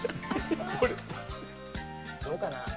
どうかな？